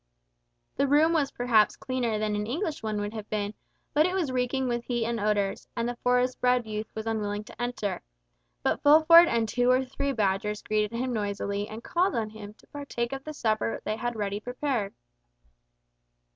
The room was perhaps cleaner than an English one would have been, but it was reeking with heat and odours, and the forest bred youth was unwilling to enter, but Fulford and two or three Badgers greeted him noisily and called on him to partake of the supper they had ready prepared.